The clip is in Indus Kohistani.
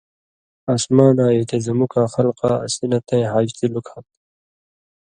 اسماناں یی تے زُمُکاں خلقہ اسی نہ تَیں حاجتی لُکھاں تھہ،